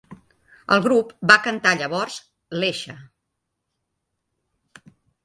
El grup va cantar llavors "Iesha".